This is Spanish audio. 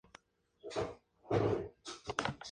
Este es el primer director ruso del jardín.